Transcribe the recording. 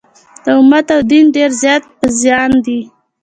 د امت او دین ډېر زیات په زیان دي.